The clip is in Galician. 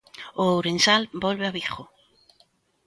O ourensán volve a Vigo.